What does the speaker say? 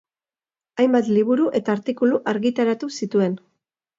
Hainbat liburu eta artikulu argitaratu zituen.